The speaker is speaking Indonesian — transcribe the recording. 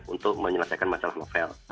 untuk menyelesaikan masalah novel